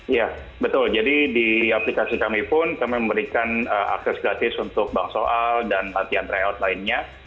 iya betul jadi di aplikasi kami pun kami memberikan akses gratis untuk bank soal dan latihan tryout lainnya